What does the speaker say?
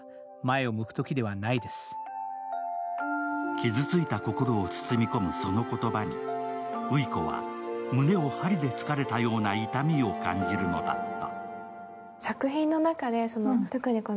傷ついた心を包み込むその言葉に、羽衣子は胸を針で突かれたような痛みを感じるのだった。